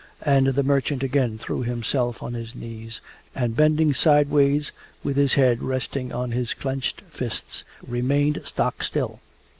And the merchant again threw himself on his knees and bending sideways, with his head resting on his clenched fists, remained stock still.